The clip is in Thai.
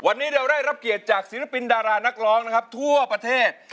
วันนี้เราได้รับเกียรติจากศิลปินดารานักร้องนะครับทั่วประเทศ